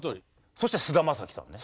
そして菅田将暉さんね。